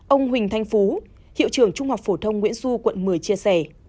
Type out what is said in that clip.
ông huỳnh thanh phú hiệu trưởng trung học phổ thông nguyễn du quận một mươi chia sẻ